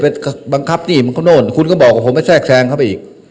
ไปบังคับนี่บังคับโน่นคุณก็บอกกับผมไว้แทรกแทรงเข้าไปอีก